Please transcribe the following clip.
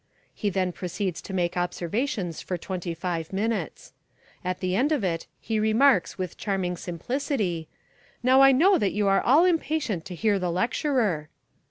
He then proceeds to make observations for twenty five minutes. At the end of it he remarks with charming simplicity, "Now I know that you are all impatient to hear the lecturer...."